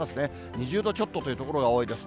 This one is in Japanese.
２０度ちょっとという所が多いです。